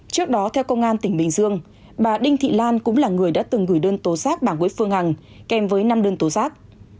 trước đó theo công an tỉnh bình dương bà đinh thị lan cũng là người đã từng gửi đơn tố xác bảng quế phương hằng kèm với năm đơn tố xác